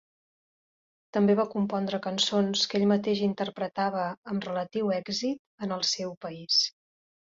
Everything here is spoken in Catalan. També va compondre cançons que ell mateix interpretava, amb relatiu èxit, en el seu país.